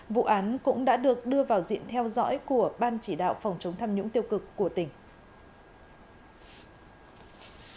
vụ án cũng đã được đưa vào diện theo dõi của ban chỉ đạo phòng chống tham nhũng tiêu cực của tỉnh